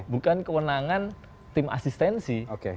bukan kewenangan tim asistensi